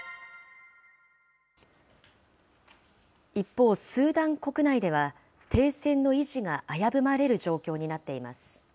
一方、スーダン国内では、停戦の維持が危ぶまれる状況になっています。